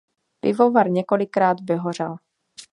Pivovar několikrát vyhořel.